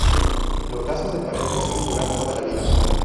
Los lazos de pareja suelen durar toda la vida.